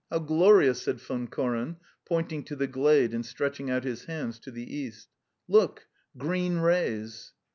How glorious!" said Von Koren, pointing to the glade and stretching out his hands to the east. "Look: green rays!"